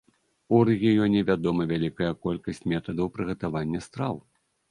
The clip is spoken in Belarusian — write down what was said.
У рэгіёне вядома вялікая колькасць метадаў прыгатавання страў.